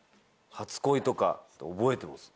初恋とかって覚えてます？